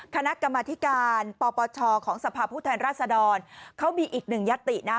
คณะกรรมธิการปปชของสภาพผู้แทนราชดรเขามีอีกหนึ่งยัตตินะ